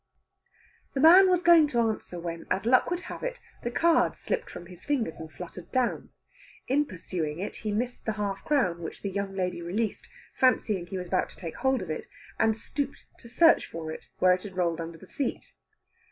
The man was going to answer when, as luck would have it, the card slipped from his fingers and fluttered down. In pursuing it he missed the half crown, which the young lady released, fancying he was about to take hold of it, and stooped to search for it where it had rolled under the seat.